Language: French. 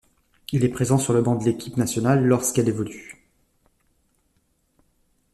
Il est présent sur le banc de L'équipe nationale lorsqu'elle évolue.